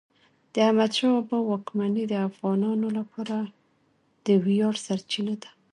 د احمدشاه بابا واکمني د افغانانو لپاره د ویاړ سرچینه ده.